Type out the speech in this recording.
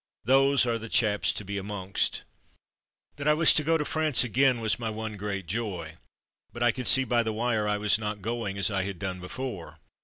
Those are the chaps to be amongst. That I was to go to France again was my one great joy, but I could see by the wire I was not going as I had done before.